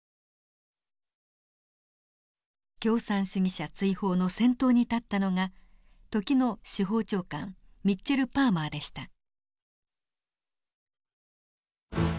共産主義者追放の先頭に立ったのが時の司法長官ミッチェル・パーマーでした。